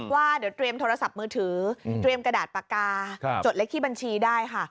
ว่าเดี๋ยวเตรียมโทรศัพท์มือถือเตรียมกระดาษปากกาจดเลขที่บัญชีได้ค่ะ